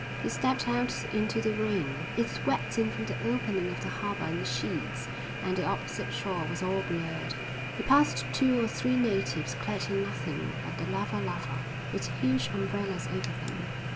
He stepped out into the rain. It swept in from the opening of the harbour in sheets and the opposite shore was all blurred. He passed two or three natives clad in nothing but the lava lava, with huge umbrellas over them.